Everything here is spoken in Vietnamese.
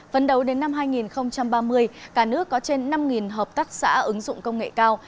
vấn đấu đến năm hai nghìn ba mươi cả nước có trên năm hợp tác xã ứng dụng công nghệ cao